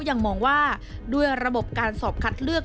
ยังมองว่าด้วยระบบการสอบคัดเลือก